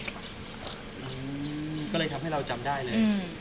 อืมก็เลยทำให้เราจำได้เลย